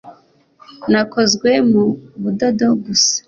nakozwe mu budodo gusa